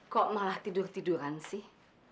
kok malah tidur tiduran sih